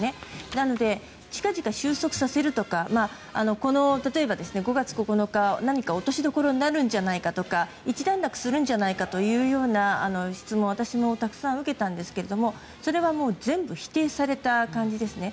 なので、近々収束させるとか例えば５月９日何か落としどころになるんじゃないかとか一段落するんじゃないかというような質問を私もたくさん受けたんですがそれはもう全部、否定された感じですね。